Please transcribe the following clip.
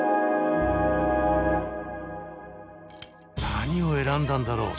何を選んだんだろう？